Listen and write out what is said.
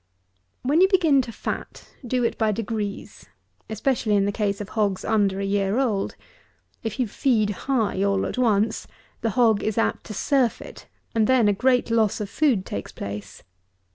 When you begin to fat, do it by degrees, especially in the case of hogs under a year old. If you feed high all at once, the hog is apt to surfeit, and then a great loss of food takes place.